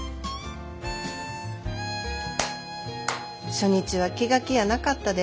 初日は気が気やなかったで。